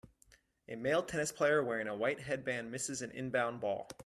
A male tennis player wearing a white headband misses an inbounds ball